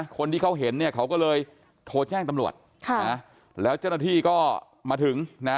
คนที่เขาเห็นเนี่ยเขาก็เลยโทรแจ้งตำรวจแล้วเจ้าหน้าที่ก็มาถึงนะ